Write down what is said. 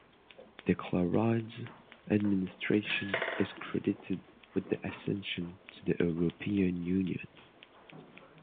The Clerides administration is credited with the ascension to the European Union.